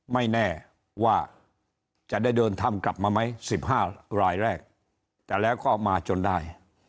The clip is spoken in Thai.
ไม่แน่ว่าจะได้เดินถ้ำกลับมาไหม๑๕รายแรกแต่แล้วก็มาจนได้